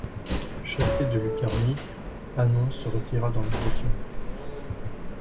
Chassé de Lucanie, Hannon se retira dans le Bruttium.